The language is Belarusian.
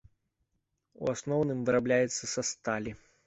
У асноўным вырабляецца са сталі.